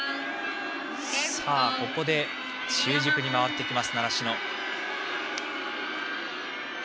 ここで中軸に回ってきます、習志野。